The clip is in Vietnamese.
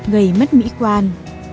gây mất mỹ quan